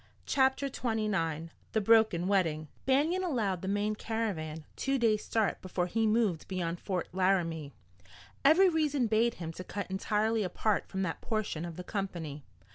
CHAPTER XXIX THE BROKEN WEDDING Banion allowed the main caravan two days' start before he moved beyond Fort Laramie. Every reason bade him to cut entirely apart from that portion of the company.